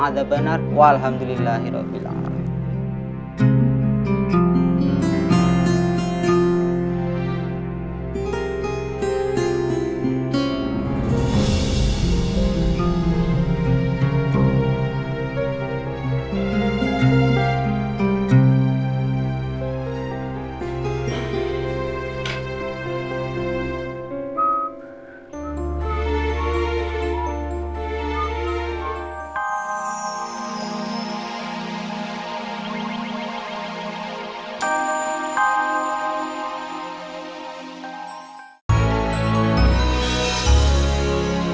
terima kasih pak